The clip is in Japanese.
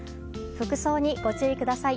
服装にご注意ください。